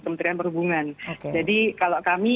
kementerian perhubungan jadi kalau kami